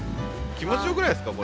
気持ちよくないですか？